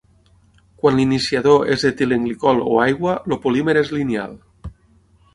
Quan l'iniciador és etilenglicol o aigua, el polímer és lineal.